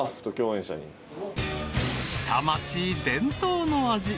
［下町伝統の味